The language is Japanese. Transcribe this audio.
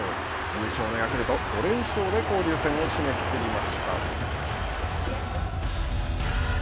優勝のヤクルト５連勝で交流戦を締めくくりました。